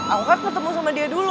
aku ketemu sama dia dulu